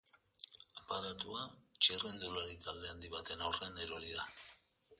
Aparatua txirrindulari talde handi baten aurrean erori da.